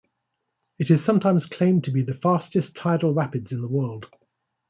It is sometimes claimed to be the fastest tidal rapids in the world.